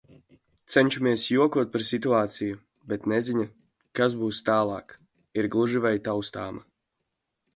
Cenšamies jokot par situāciju, bet neziņa, kas būs tālāk, ir gluži vai taustāma.